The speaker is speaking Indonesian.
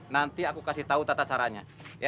nanti aku kasih tahu tata caranya